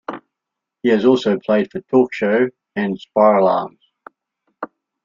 He has also played for Talk Show and Spiralarms.